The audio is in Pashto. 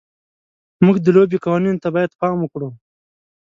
موږ د لوبې قوانینو ته باید پام وکړو.